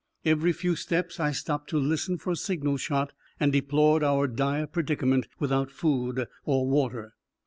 Every few steps I stopped to listen for a signal shot, and deplored our dire predicament without food or water.